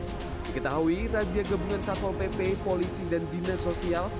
diketahui razia gabungan satpol pp polisi dan dinas sosial